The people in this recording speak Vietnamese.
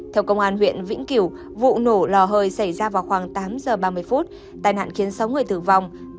theo công an huyện vĩnh kiểu vụ nổ lò hơi xảy ra vào khoảng tám giờ ba mươi phút tài nạn khiến sáu người tử vong